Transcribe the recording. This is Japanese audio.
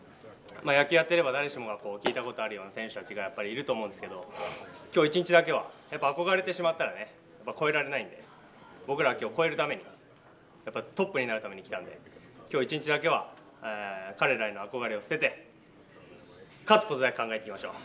野球やっていれば誰しも聞いたことがある選手たちがいると思うんですけど、今日一日だけは、あこがれてしまったら越えられないんで僕らは今日、超えるために、トップになるために来たんで今日一日だけは彼らへの憧れを捨てて、勝つことだけ考えてきましょう。